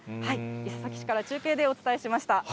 伊勢崎市から中継でお伝えしました。